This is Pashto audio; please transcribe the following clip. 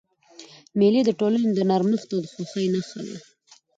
مېلې د ټولني د نرمښت او خوښۍ نخښه ده.